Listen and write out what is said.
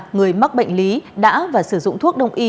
người mắc bệnh lý đã và sử dụng thuốc đông y